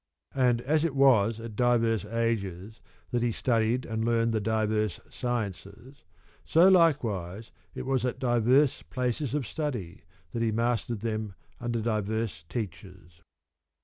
And as it was at divers ages that he studied and learned the divers sciences, so likewise it was at divers Places of Study that he mastered them under divers teachers.